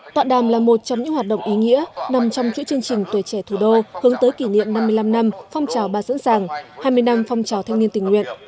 tọa đàm là một trong những hoạt động ý nghĩa nằm trong chuỗi chương trình tuổi trẻ thủ đô hướng tới kỷ niệm năm mươi năm năm phong trào ba sẵn sàng hai mươi năm phong trào thanh niên tình nguyện